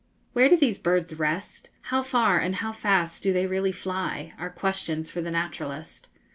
Where do these birds rest? How far and how fast do they really fly? are questions for the naturalist.